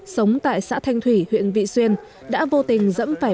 sống tại xã thanh thủy huyện vị xuyên đã vô tình dẫm phải